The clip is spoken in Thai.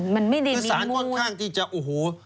มันไม่ได้มีมูตรศาลค่อนข้างที่จะโอ้โห